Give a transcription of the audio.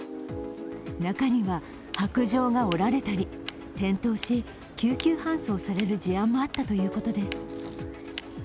中には、白杖が折られたり転倒し、救急搬送される事案もあったということです。